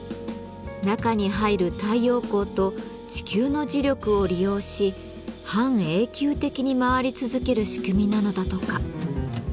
中に入る太陽光と地球の磁力を利用し半永久的に回り続ける仕組みなのだとか。